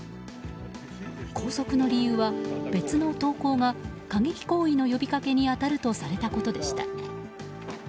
拘束の理由は、別の投稿が過激行為の呼びかけに当たるとされたことでした。